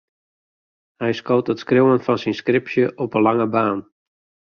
Hy skoot it skriuwen fan syn skripsje op 'e lange baan.